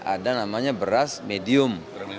ada namanya beras medium